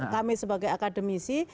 kami sebagai akademisi